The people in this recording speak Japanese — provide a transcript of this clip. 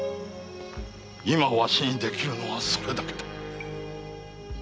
今わしにできるのはそれだけだ。